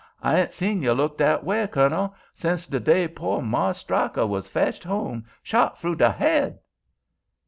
I ain't seen you look dat way, Kernel, since de day pooh Marse Stryker was fetched home shot froo de head."